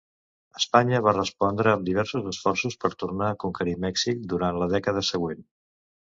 Espanya va respondre amb diversos esforços per tornar a conquerir Mèxic durant la dècada següent.